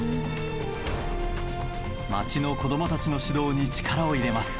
町の子どもたちの指導に力を入れます。